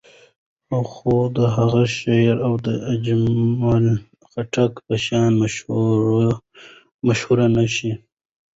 خو د هغه شاعري د اجمل خټک په شان مشهوره نه شوه.